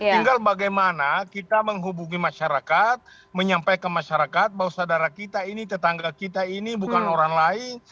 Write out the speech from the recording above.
tinggal bagaimana kita menghubungi masyarakat menyampaikan masyarakat bahwa saudara kita ini tetangga kita ini bukan orang lain